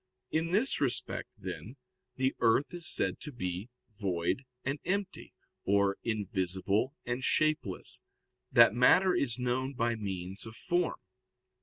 In this respect, then, the earth is said to be "void and empty," or "invisible and shapeless," that matter is known by means of form.